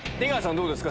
どうですか？